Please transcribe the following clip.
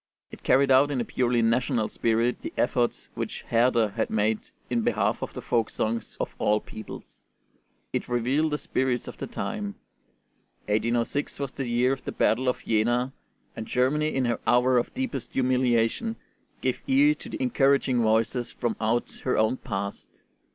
It carried out in a purely national spirit the efforts which Herder had made in behalf of the folk songs of all peoples. It revealed the spirit of the time. 1806 was the year of the battle of Jena, and Germany in her hour of deepest humiliation gave ear to the encouraging voices from out her own past.